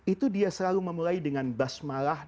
itu dia selalu memulai dengan basmalah